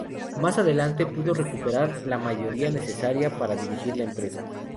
Más adelante, pudo recuperar la mayoría necesaria para dirigir la empresa.